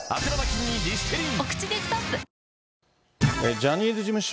ジャニーズ事務所